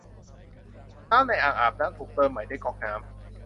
น้ำในอ่างอาบน้ำถูกเติมใหม่ด้วยก๊อกน้ำ